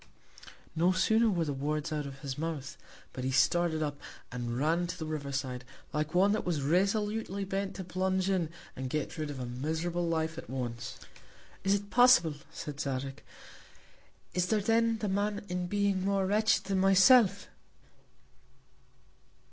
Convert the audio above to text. No sooner were the Words out of his Mouth, but he started up, and ran to the River side, like one that was resolutely bent to plunge in, and get rid of a miserable Life at once. Is it possible, said Zadig? Is there then the Man in Being more wretched than myself?